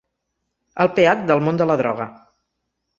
El pH del món de la droga.